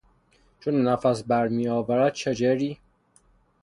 چون نفس بر میآورد شجری؟